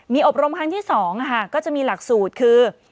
มีอบรมครั้งที่๒ก็จะมีหลักสูตรคือ